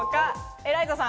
エライザさん。